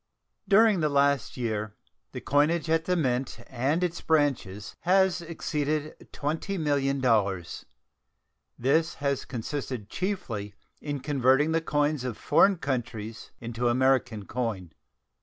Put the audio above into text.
During the past year the coinage at the Mint and its branches has exceeded $20,000,000. This has consisted chiefly in converting the coins of foreign countries into American coin.